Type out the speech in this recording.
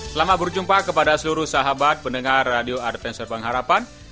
selamat berjumpa kepada seluruh sahabat pendengar radio advent suara pengharapan